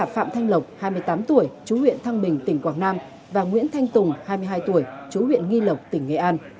phạm thanh lộc hai mươi tám tuổi chú huyện thăng bình tỉnh quảng nam và nguyễn thanh tùng hai mươi hai tuổi chú huyện nghi lộc tỉnh nghệ an